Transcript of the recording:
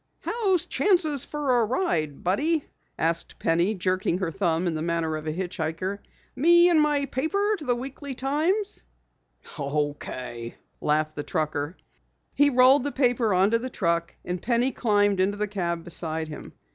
"How's chances fer a ride, buddy?" asked Penny, jerking her thumb in the manner of a hitch hiker. "Me and my paper to the Weekly Times." "Okay," laughed the trucker. He rolled the paper onto the truck, and Penny climbed into the cab beside him.